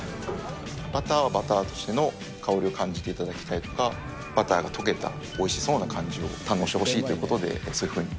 バターはバターとしての香りを感じていただきたいとか、バターが溶けたおいしそうな感じを堪能してほしいということでそ